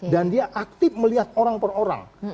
dan dia aktif melihat orang per orang